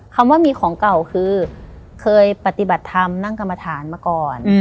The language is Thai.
คำว่ามีของเก่าคือเคยปฏิบัติธรรมนั่งกรรมฐานมาก่อน